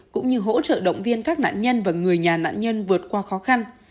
cũng như hỗ trợ động viên các nạn nhân và người nhà nạn nhân vượt qua khó khăn